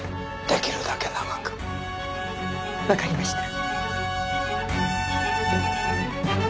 出来るだけ長く。わかりました。